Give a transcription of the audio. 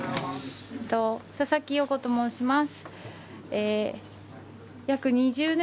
佐々木陽子と申します。